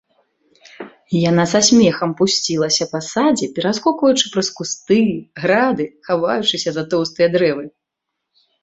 Яна са смехам пусцілася па садзе, пераскокваючы праз кусты, грады, хаваючыся за тоўстыя дрэвы.